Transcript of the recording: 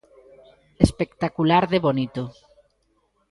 Espectacular de bonito.